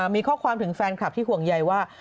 มีข้อความถึงแฟนคลับที่ห่วงใยว่า